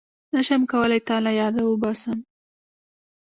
نشم کولای تا له ياده وباسم